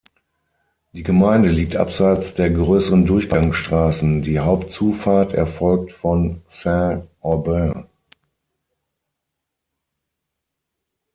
Die Gemeinde liegt abseits der grösseren Durchgangsstrassen, die Hauptzufahrt erfolgt von Saint-Aubin.